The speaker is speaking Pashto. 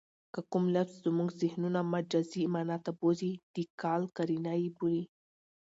که کوم لفظ زمونږ ذهنونه مجازي مانا ته بوځي؛ د قال قرینه ئې بولي.